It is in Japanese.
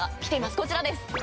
こちらです！